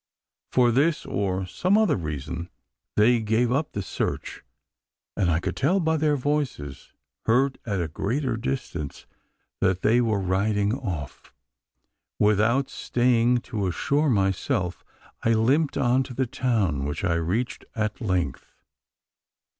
For this, or some other reason, they gave up the search; and I could tell by their voices, heard at a greater distance, that they were riding off. Without staying to assure myself, I limped on to the town which I reached at length.